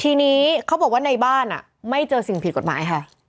ทีนี้เขาบอกว่าในบ้านไม่เจอสิ่งผิดกฎหมายค่ะ